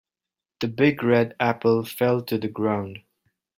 The big red apple fell to the ground.